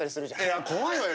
いや怖いわよね。